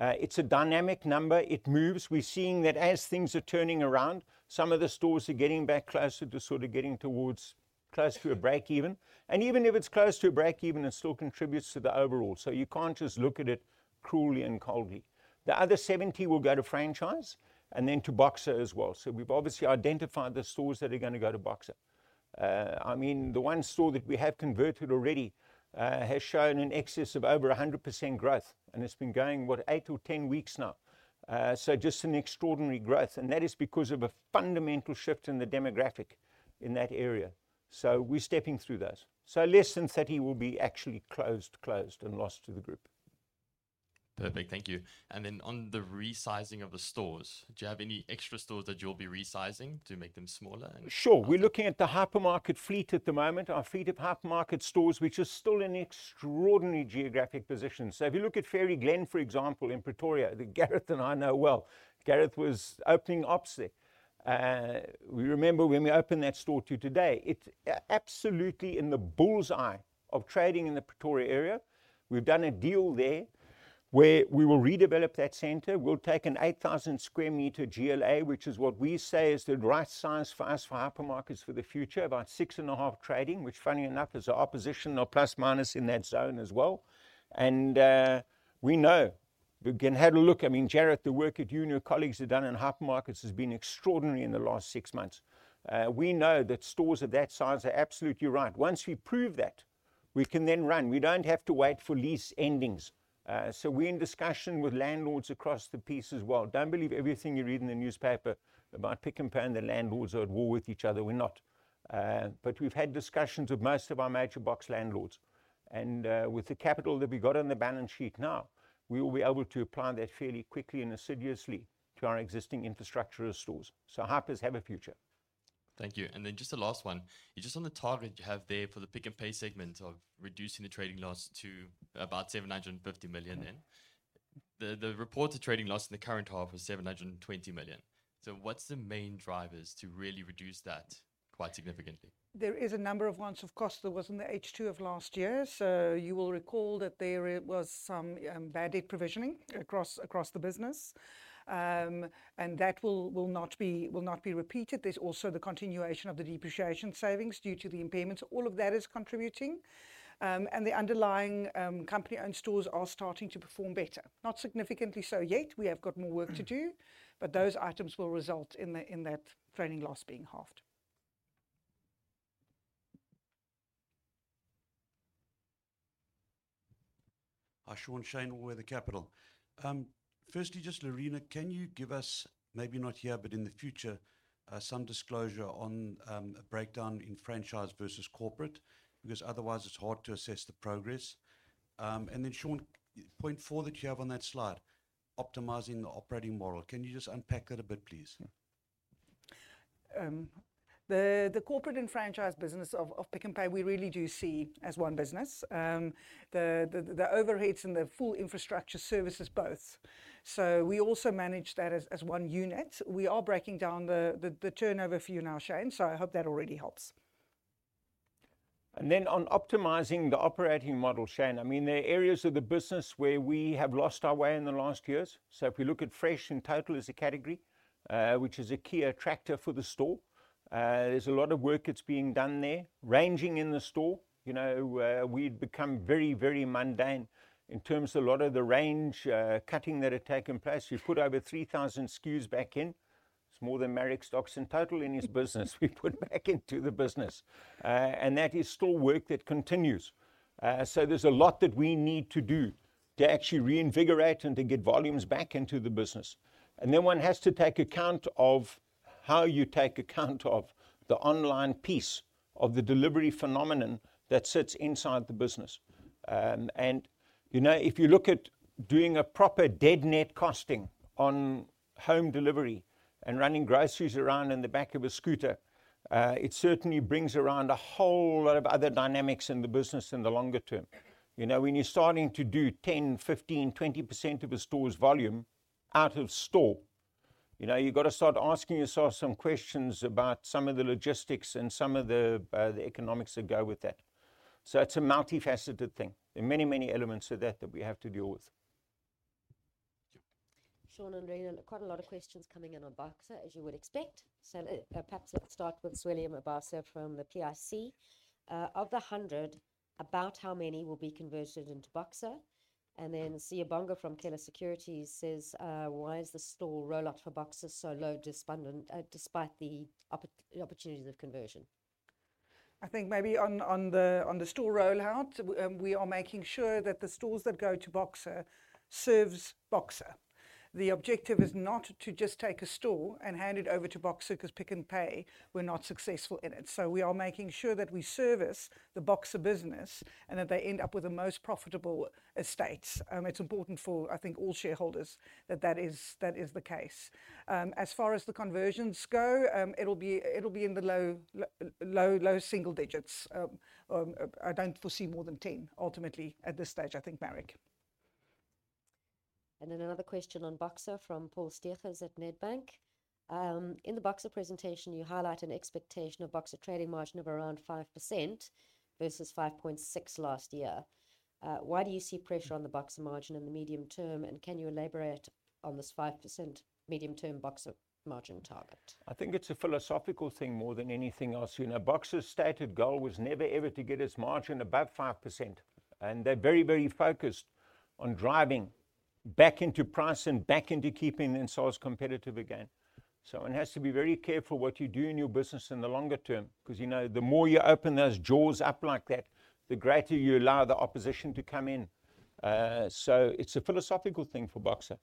It's a dynamic number, it moves. We're seeing that as things are turning around, some of the stores are getting back closer to sort of getting towards close to a breakeven. And even if it's close to a breakeven, it still contributes to the overall, so you can't just look at it cruelly and coldly. The other 70 will go to franchise, and then to Boxer as well. So we've obviously identified the stores that are gonna go to Boxer. I mean, the one store that we have converted already has shown in excess of over 100% growth, and it's been going, what? Eight or 10 weeks now. So just an extraordinary growth, and that is because of a fundamental shift in the demographic in that area. So we're stepping through those. So less than 30 will be actually closed and lost to the group. Perfect, thank you. And then, on the resizing of the stores, do you have any extra stores that you'll be resizing to make them smaller and- Sure. We're looking at the hypermarket fleet at the moment, our fleet of hypermarket stores, which are still in extraordinary geographic positions. So if you look at Faerie Glen, for example, in Pretoria, that Gareth and I know well. Gareth was opening ops there. We remember when we opened that store to today, it absolutely in the bull's eye of trading in the Pretoria area. We've done a deal there, where we will redevelop that center. We'll take an 8,000 square meter GLA, which is what we say is the right size for us, for hypermarkets for the future, about six and a half trading, which, funny enough, is our opposition are plus-minus in that zone as well, and we know we can have a look. I mean, Gareth, the work that you and your colleagues have done in hypermarkets has been extraordinary in the last six months. We know that stores of that size are absolutely right. Once we prove that, we can then run. We don't have to wait for lease endings. So we're in discussion with landlords across the piece as well. Don't believe everything you read in the newspaper about Pick n Pay and the landlords are at war with each other, we're not. But we've had discussions with most of our major box landlords, and with the capital that we got on the balance sheet now, we will be able to apply that fairly quickly and assiduously to our existing infrastructure of stores. So hypers have a future. Thank you. And then just the last one, just on the target you have there for the Pick n Pay segment of reducing the trading loss to about R750 million, then. The reported trading loss in the current half was R720 million, so what's the main drivers to really reduce that quite significantly? There is a number of ones. Of course, there was in the H2 of last year, so you will recall that there was some bad debt provisioning- Yeah... across the business. And that will not be repeated. There's also the continuation of the depreciation savings due to the impairments. All of that is contributing. And the underlying company-owned stores are starting to perform better. Not significantly so yet, we have got more work to do- Mm... but those items will result in that trading loss being halved. Hi, Sean. Shane with The Capital. Firstly, just Lerena, can you give us, maybe not here, but in the future, some disclosure on a breakdown in franchise versus corporate? Because otherwise it's hard to assess the progress. And then, Sean, point four that you have on that slide, optimizing the operating model, can you just unpack that a bit, please? The corporate and franchise business of Pick n Pay, we really do see as one business. The overheads and the full infrastructure services both. So we also manage that as one unit. We are breaking down the turnover for you now, Shane, so I hope that already helps. And then on optimizing the operating model, Shane, I mean, there are areas of the business where we have lost our way in the last years. So if we look at fresh in total as a category, which is a key attractor for the store, there's a lot of work that's being done there. Range in the store, you know, we'd become very, very mundane in terms of a lot of the range cutting that had taken place. We've put over 3,000 SKUs back in. It's more than Marek stocks in total in his business, we've put back into the business. And that is still work that continues. So there's a lot that we need to do to actually reinvigorate and to get volumes back into the business. And then, one has to take account of how you take account of the online piece of the delivery phenomenon that sits inside the business. And, you know, if you look at doing a proper dead net costing on home delivery and running groceries around in the back of a scooter, it certainly brings around a whole lot of other dynamics in the business in the longer term. You know, when you're starting to do 10%, 15%, 20% of a store's volume out of store, you know, you've got to start asking yourself some questions about some of the logistics and some of the economics that go with that. So it's a multifaceted thing. There are many, many elements to that, that we have to deal with. Thank you. Sean and Lerena, quite a lot of questions coming in on Boxer, as you would expect. So, perhaps let's start with William Mabasa from the PIC. "Of the hundred, about how many will be converted into Boxer?" And then Siyabonga from Kenna Securities says, "Why is the store rollout for Boxer so low dependent, despite the opportunities of conversion? I think maybe on the store rollout, we are making sure that the stores that go to Boxer serves Boxer. The objective is not to just take a store and hand it over to Boxer because Pick n Pay were not successful in it. So we are making sure that we service the Boxer business, and that they end up with the most profitable estates. It's important, I think, for all shareholders, that is the case. As far as the conversions go, it'll be in the low single digits. I don't foresee more than 10 ultimately at this stage, I think, Marek. Another question on Boxer from Paul Steegers at Bank of America: "In the Boxer presentation, you highlight an expectation of Boxer trading margin of around 5% versus 5.6% last year. Why do you see pressure on the Boxer margin in the medium term, and can you elaborate on this 5% medium-term Boxer margin target? I think it's a philosophical thing more than anything else. You know, Boxer's stated goal was never ever to get its margin above 5%, and they're very, very focused on driving back into price and back into keeping themselves competitive again. So one has to be very careful what you do in your business in the longer term, 'cause, you know, the more you open those jaws up like that, the greater you allow the opposition to come in. So it's a philosophical thing for Boxer.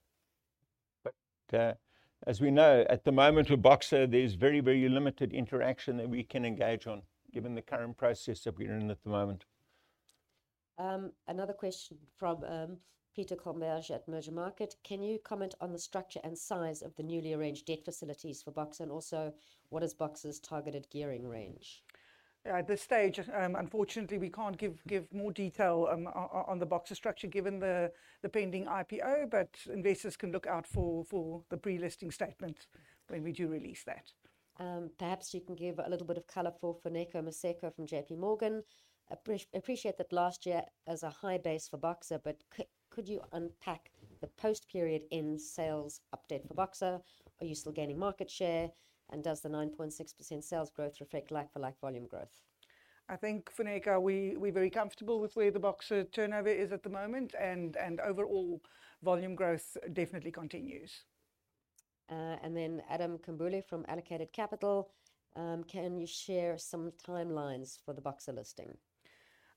But, as we know, at the moment with Boxer, there's very, very limited interaction that we can engage on, given the current process that we're in at the moment. Another question from Peter Cromberge at Mergermarket: Can you comment on the structure and size of the newly arranged debt facilities for Boxer, and also, what is Boxer's targeted gearing range? At this stage, unfortunately, we can't give more detail on the Boxer structure, given the pending IPO, but investors can look out for the pre-listing statement when we do release that. Perhaps you can give a little bit of color for Funeka Maseko from Coronation Fund Managers. "Appreciate that last year was a high base for Boxer, but could you unpack the post-period-end sales update for Boxer? Are you still gaining market share, and does the 9.6% sales growth reflect like-for-like volume growth? I think, Funeka, we're very comfortable with where the Boxer turnover is at the moment, and overall volume growth definitely continues. And then Adam Kombouli from Allocated Capital: "Can you share some timelines for the Boxer listing?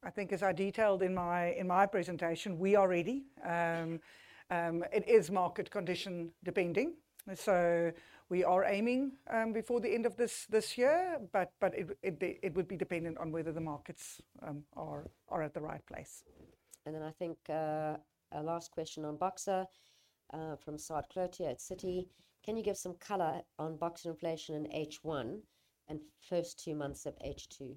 I think as I detailed in my presentation, we are ready. It is market-condition dependent, so we are aiming before the end of this year, but it would be dependent on whether the markets are at the right place. And then I think, our last question on Boxer, from Saad Cloete at Citi: "Can you give some color on Boxer inflation in H1 and first two months of H2?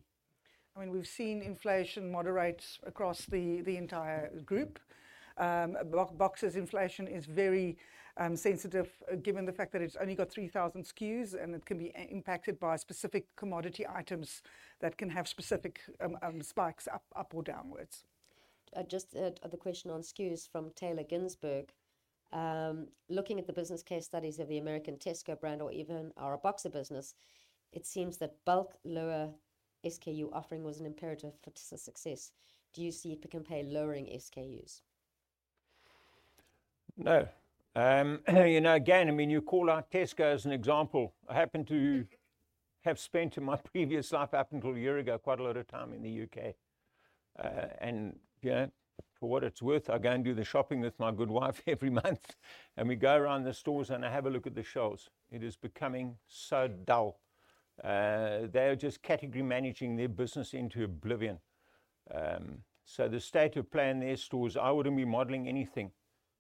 I mean, we've seen inflation moderate across the entire group. Boxer's inflation is very sensitive, given the fact that it's only got 3,000 SKUs, and it can be impacted by specific commodity items that can have specific spikes up or downwards. Just the question on SKUs from Talia Ginsberg: "Looking at the business case studies of the American Tesco brand or even our Boxer business, it seems that bulk lower SKU offering was an imperative for the success. Do you see Pick n Pay lowering SKUs? No. You know, again, I mean, you call out Tesco as an example. I happen to have spent in my previous life, up until a year ago, quite a lot of time in the U.K., and, you know, for what it's worth, I go and do the shopping with my good wife every month, and we go around the stores, and I have a look at the shelves. It is becoming so dull. They are just category managing their business into oblivion. So the state of play in their stores, I wouldn't be modeling anything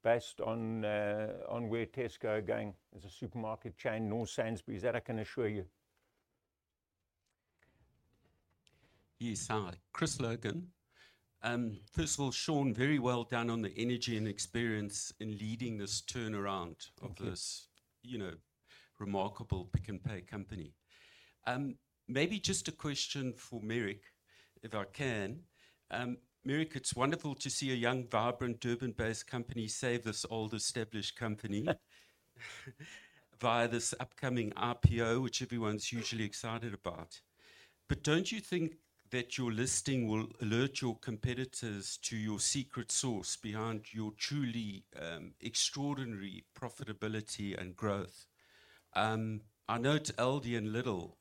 based on where Tesco are going as a supermarket chain, nor Sainsbury's, that I can assure you. Yes, hi. Chris Logan. First of all, Sean, very well done on the energy and experience in leading this turnaround- Thank you... of this, you know, remarkable Pick n Pay company. Maybe just a question for Marek, if I can. Marek, it's wonderful to see a young, vibrant, Durban-based company save this old established company via this upcoming IPO, which everyone's hugely excited about. But don't you think that your listing will alert your competitors to your secret sauce behind your truly extraordinary profitability and growth? I note Aldi and Lidl,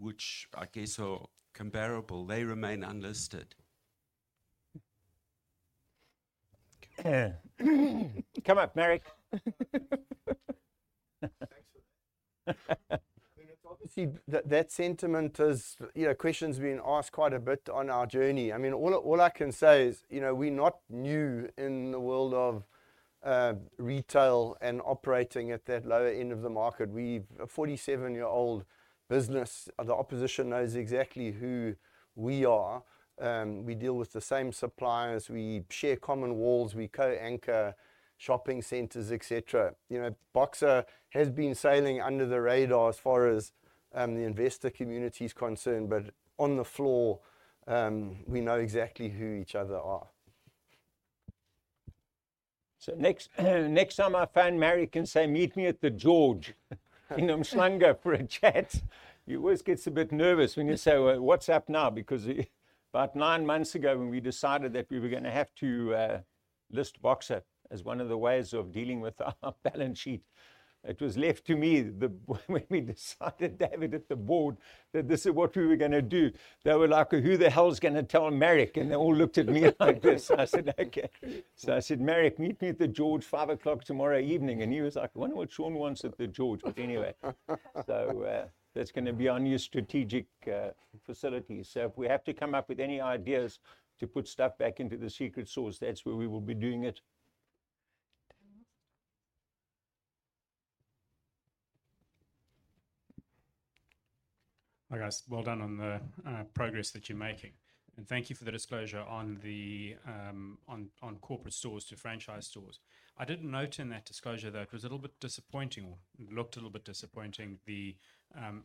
which I guess are comparable, they remain unlisted. Come up, Marek. Thanks for that. I mean, it's obviously that sentiment is. You know, question's been asked quite a bit on our journey. I mean, all I can say is, you know, we're not new in the world of retail and operating at that lower end of the market. We've a forty-seven-year-old business, the opposition knows exactly who we are. We deal with the same suppliers. We share common walls. We co-anchor shopping centers, et cetera. You know, Boxer has been sailing under the radar as far as the investor community is concerned, but on the floor, we know exactly who each other are. Next time I phone Marek and say, "Meet me at The George in Umhlanga for a chat," he always gets a bit nervous when you say, "Well, what's up now?" Because about nine months ago, when we decided that we were gonna have to list Boxer as one of the ways of dealing with our balance sheet, it was left to me when we decided to have it at the board that this is what we were gonna do. They were like, "Well, who the hell is gonna tell Marek?" And they all looked at me like this. I said, "Okay." So I said, "Marek, meet me at The George, 5:00 P.M. tomorrow evening." And he was like, "I wonder what Sean wants at The George." But anyway, that's gonna be our new strategic facility. So if we have to come up with any ideas to put stuff back into the secret sauce, that's where we will be doing it. 10 more seconds. ...I guess, well done on the progress that you're making, and thank you for the disclosure on the on corporate stores to franchise stores. I did note in that disclosure, though, it was a little bit disappointing, or looked a little bit disappointing, the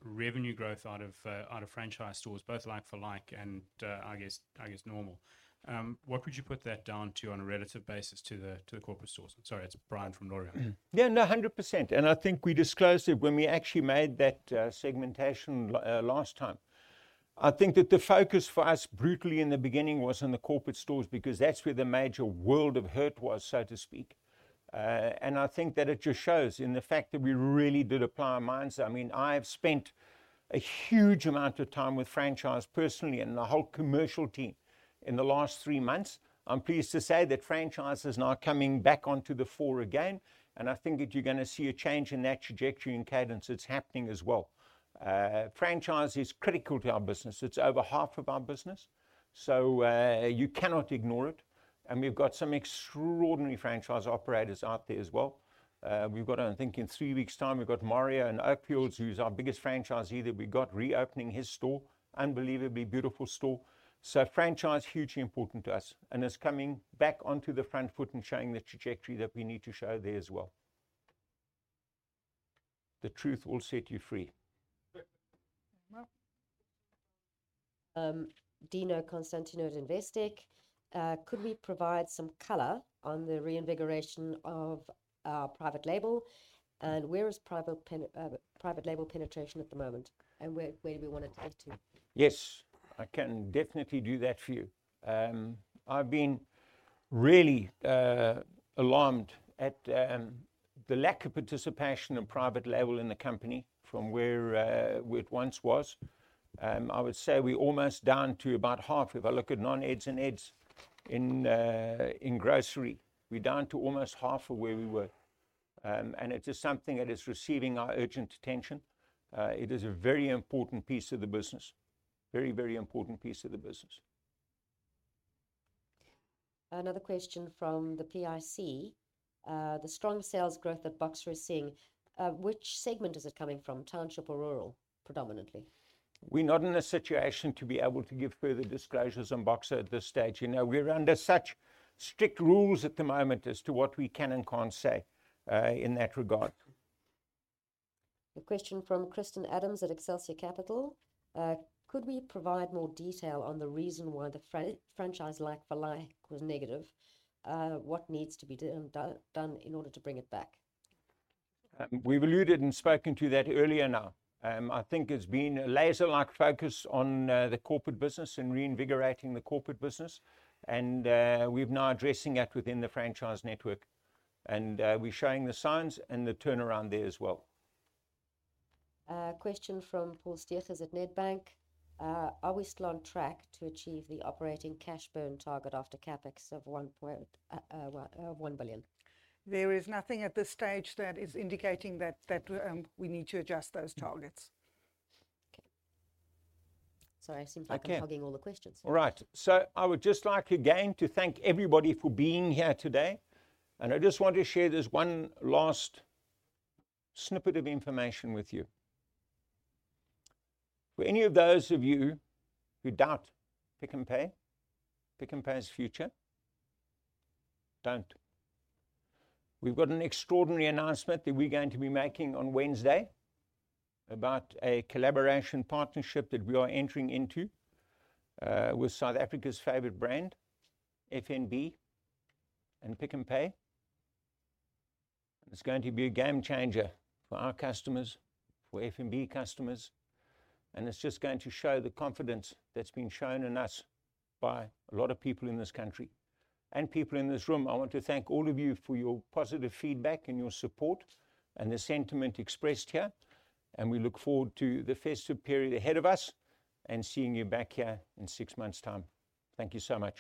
revenue growth out of out of franchise stores, both like for like, and I guess normal. What would you put that down to on a relative basis to the to the corporate stores? Sorry, it's Brian from Laurium. Yeah, no, 100%, and I think we disclosed it when we actually made that segmentation last time. I think that the focus for us brutally in the beginning was on the corporate stores, because that's where the major world of hurt was, so to speak. And I think that it just shows in the fact that we really did apply our minds. I mean, I have spent a huge amount of time with franchise personally, and the whole commercial team in the last three months. I'm pleased to say that franchise is now coming back onto the fore again, and I think that you're gonna see a change in that trajectory and cadence. It's happening as well. Franchise is critical to our business. It's over half of our business, so you cannot ignore it, and we've got some extraordinary franchise operators out there as well. We've got I think in three weeks' time, we've got Mario at Oakfields, who's our biggest franchisee, that we've got reopening his store. Unbelievably beautiful store. So franchise, hugely important to us, and it's coming back onto the front foot and showing the trajectory that we need to show there as well. The truth will set you free. Dino Konstantinou at Investec, could we provide some color on the reinvigoration of our private label, and where is private label penetration at the moment, and where do we want it to get to? Yes, I can definitely do that for you. I've been really alarmed at the lack of participation in private label in the company from where it once was. I would say we're almost down to about half. If I look at non-Eds and ads in grocery, we're down to almost half of where we were. And it is something that is receiving our urgent attention. It is a very important piece of the business. Very, very important piece of the business. Another question from the PIC: the strong sales growth that Boxer is seeing, which segment is it coming from, township or rural, predominantly? We're not in a situation to be able to give further disclosures on Boxer at this stage. You know, we're under such strict rules at the moment as to what we can and can't say in that regard. A question from Kristen Adams at Excelsia Capital: Could we provide more detail on the reason why the franchise like for like was negative? What needs to be done in order to bring it back? We've alluded and spoken to that earlier now. I think there's been a laser-like focus on the corporate business and reinvigorating the corporate business, and we're now addressing that within the franchise network, and we're showing the signs and the turnaround there as well. A question from Paul Steegers at Bank of America: Are we still on track to achieve the operating cash burn target after CapEx of 1 billion? There is nothing at this stage that is indicating that we need to adjust those targets. Okay. Sorry, it seems like- Okay... I'm hogging all the questions. All right, so I would just like again to thank everybody for being here today, and I just want to share this one last snippet of information with you. For any of those of you who doubt Pick n Pay, Pick n Pay's future, don't. We've got an extraordinary announcement that we're going to be making on Wednesday about a collaboration partnership that we are entering into with South Africa's favorite brand, FNB and Pick n Pay. It's going to be a game changer for our customers, for FNB customers, and it's just going to show the confidence that's been shown in us by a lot of people in this country and people in this room. I want to thank all of you for your positive feedback and your support, and the sentiment expressed here, and we look forward to the festive period ahead of us, and seeing you back here in six months' time. Thank you so much.